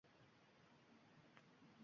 Dilimga quvonchlar solar sururni…